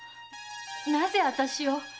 なぜあたしを？